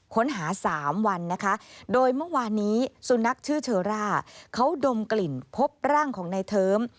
ค้นหา๓วันนะคะโดยเมื่อวานนี้สุนัขชื่อเชอร่าเขาดมกลิ่นพบร่างของในเทิม